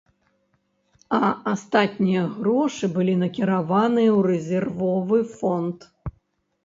А астатнія грошы былі накіраваныя ў рэзервовы фонд.